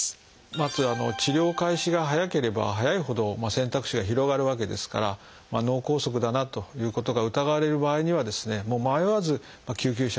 まず治療開始が早ければ早いほど選択肢が広がるわけですから脳梗塞だなということが疑われる場合にはですねもう迷わず救急車を呼んでいただきたいというふうに思います。